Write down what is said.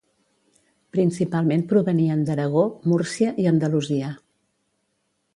Principalment provenien d'Aragó, Múrcia i Andalusia.